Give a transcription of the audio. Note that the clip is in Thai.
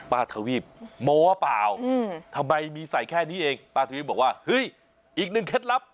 ทวีปโม้เปล่าทำไมมีใส่แค่นี้เองป้าทวีปบอกว่าเฮ้ยอีกหนึ่งเคล็ดลับ